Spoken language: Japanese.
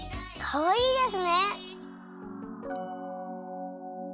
かわいいですね！